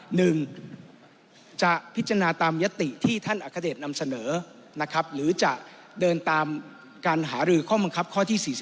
หนึ่งจะพิจารณาตามยติที่ท่านอัคเดชนำเสนอนะครับหรือจะเดินตามการหารือข้อบังคับข้อที่๔๒